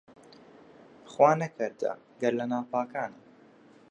خوا نەکەردە گەر لە ناپاکانە